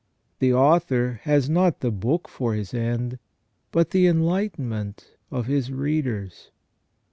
The author has not the book for his end, but the enlightenment of his readers.